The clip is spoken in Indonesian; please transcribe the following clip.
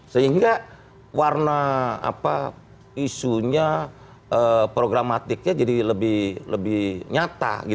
sehingga warna isunya programatiknya jadi lebih nyata